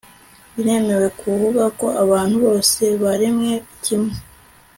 Biremewe kuvuga ko abantu bose baremwe kimwe